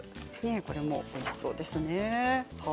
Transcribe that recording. これもおいしそうですね。